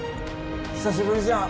久しぶりじゃん。